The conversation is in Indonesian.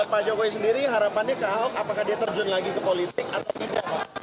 pak jokowi sendiri harapannya ke ahok apakah dia terjun lagi ke politik atau tidak